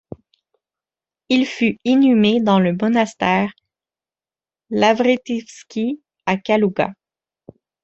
Il fut inhumé dans le monastère Lavretievski à Kalouga.